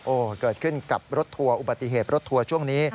โอ้โหเกิดขึ้นกับรถทัวร์อุบัติเหตุรถทัวร์ช่วงนี้